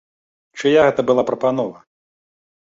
Чыя гэта была прапанова?